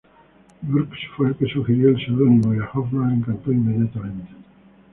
Brooks fue el que sugirió el seudónimo y a Hoffman le encantó inmediatamente.